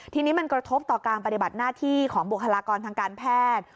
ทีนี้มันกระทบต่อการปฏิบัติหน้าที่ของบุคลากรทางการแพทย์